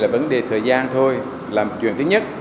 vấn đề thời gian thôi là một chuyện thứ nhất